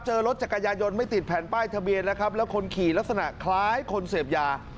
รถจักรยายนไม่ติดแผ่นป้ายทะเบียนนะครับแล้วคนขี่ลักษณะคล้ายคนเสพยา